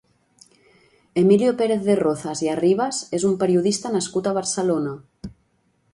Emilio Pérez de Rozas i Arribas és un periodista nascut a Barcelona.